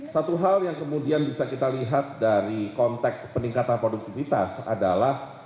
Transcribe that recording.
satu hal yang kemudian bisa kita lihat dari konteks peningkatan produktivitas adalah